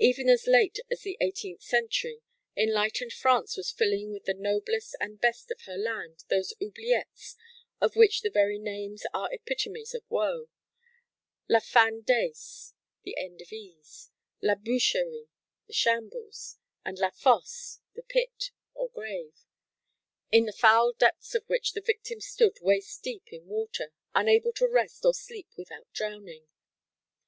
Even as late as the end of the eighteenth century enlightened France was filling with the noblest and best of her land those oubliettes of which the very names are epitomes of woe: La Fin d'Aise, "The End of Ease;" La Boucherie, "The Shambles;" and La Fosse, "The Pit" or "Grave;" in the foul depths of which the victim stood waist deep in water unable to rest or sleep without drowning.